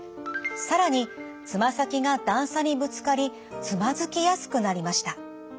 更につま先が段差にぶつかりつまずきやすくなりました。